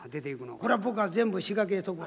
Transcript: これは僕が全部仕掛けとくわ。